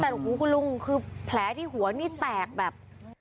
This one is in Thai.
แต่ของของของลุงคือแผลที่หัวนี่แตกแบบ